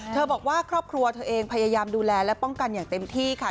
บอกว่าครอบครัวเธอเองพยายามดูแลและป้องกันอย่างเต็มที่ค่ะ